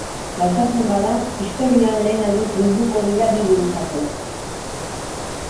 Gauzatzen bada, historian lehen aldiz bilduko dira bi buruzagiok.